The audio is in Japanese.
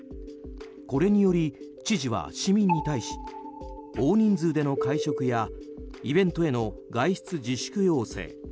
これにより知事は市民に対し大人数での会食やイベントへの外出自粛要請